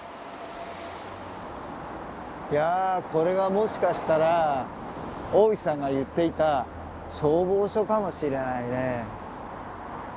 いやこれがもしかしたら大内さんが言っていた消防署かもしれないね。